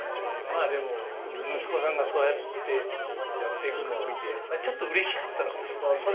まあでも息子さんがそうやってやっていくのを見てちょっとうれしかったのかもしれませんね。